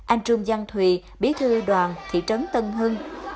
anh trương văn thùy bí thư đoàn thị trấn tân hưng